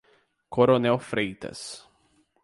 Coronel Freitas